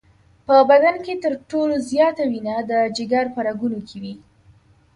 په بدن کې تر ټولو زیاته وینه د جگر په رګونو کې وي.